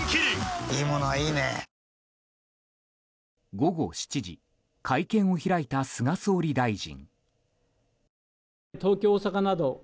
午後７時、会見を開いた菅総理大臣。